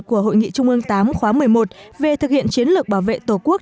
của hội nghị trung ương viii khóa một mươi một về thực hiện chiến lược bảo vệ tổ quốc